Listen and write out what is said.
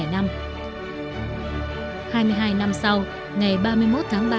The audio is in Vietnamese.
hai mươi hai năm sau ngày ba mươi một tháng ba